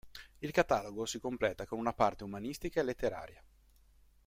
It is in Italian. Il catalogo si completa con una parte umanistica e letteraria.